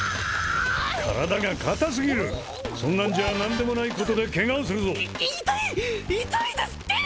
体が硬すぎるそんなんじゃ何でもないことでケガをするぞ痛い痛いですって！